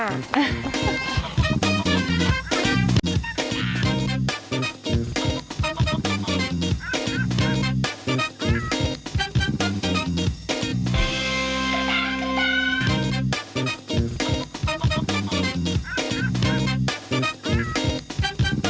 โอเคโอเค